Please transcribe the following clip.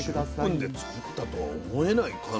１０分で作ったとは思えない完成度。